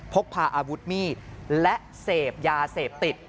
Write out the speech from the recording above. พกพาอาวุธมีดและเสพยาเสพติด